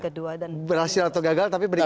kedua dan berhasil atau gagal tapi berikutnya